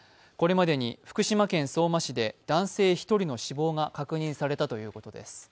これまでに福島県相馬市で男性１人の死亡が確認されたということです。